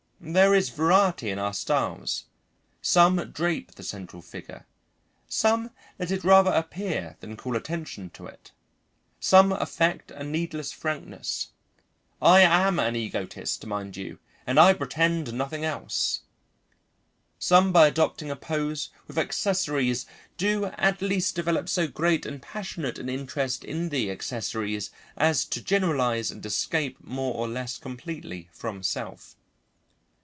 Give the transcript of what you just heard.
There is variety in our styles. Some drape the central figure; some let it rather appear than call attention to it; some affect a needless frankness: "I am an egotist, mind you, and I pretend nothing else"; some by adopting a pose with accessories do at least develop so great and passionate an interest in the accessories as to generalise and escape more or less completely from self.